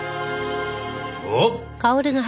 おっ！